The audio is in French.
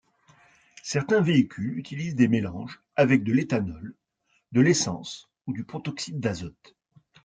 Certains véhicules utilisent des mélanges avec de l'éthanol, de l'essence, ou du protoxyde d'azote.